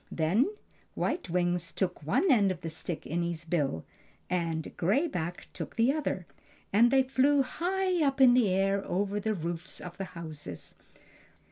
Then White Wings took one end of the stick in his bill and Gray Back took the other, and they flew high up in the air over the roofs of the houses.